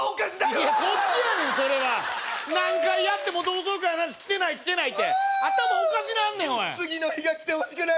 いやこっちやねんそれは何回やっても同窓会の話来てない来てないって頭おかしなんねんおい